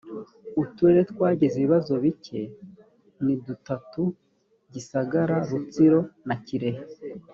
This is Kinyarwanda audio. uturere twagize ibibazo bike ni dutatu gisagara , rutsiro na kirehe